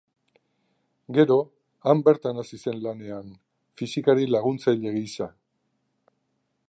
Gero, han bertan hasi zen lanean, fisikari laguntzaile gisa.